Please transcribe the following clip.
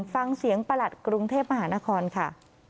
ฟังเสียงประหลัดกรุงเทพมหานครค่ะ